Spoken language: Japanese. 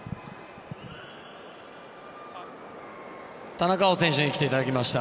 田中碧選手に来ていただきました。